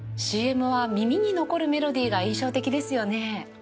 ＣＭは耳に残るメロディーが印象的ですよね。